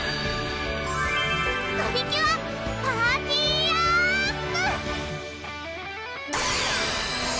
プリキュア・パーティアップ！